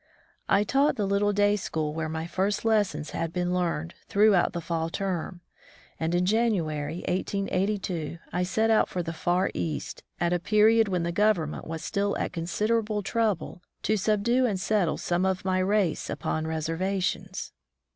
I taught the little day school where my first lessons had been learned, throughout the fall term, and in January, 1882, I set out for the far East, at a period when the Government was still at considerable trouble to subdue and settle some of my race upon reservations.